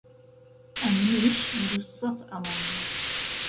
ئهمنیش دووسهت ئهوهنده